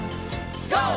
ＧＯ！